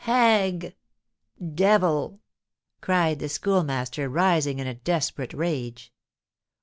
"Hag! devil!" cried the Schoolmaster, rising in a desperate rage.